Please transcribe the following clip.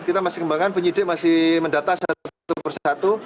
kita masih kembangkan penyidik masih mendata satu persatu